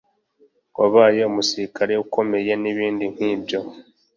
wabaye umusirikare ukomeye n’ibindi nk’ibyo